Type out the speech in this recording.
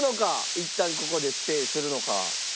いったんここでステイするのか？